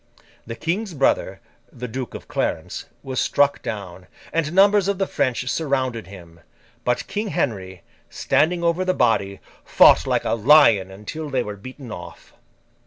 The King's brother, the Duke of Clarence, was struck down, and numbers of the French surrounded him; but, King Henry, standing over the body, fought like a lion until they were beaten off.